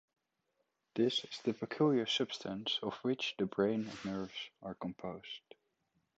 This is the peculiar substance of which the brain and nerves are composed.